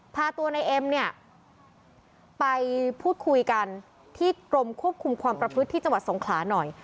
พาตัวในเอ็มเนี่ยไปพูดคุยกันที่กรมควบคุมความประพฤติที่จังหวัดสงขลาหน่อย